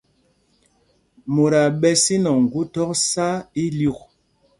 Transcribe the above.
Mot aa ɓɛ sínɔŋ gu thɔk sá ilyûk.